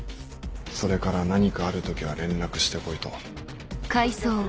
それから何かある時は連絡してこいと。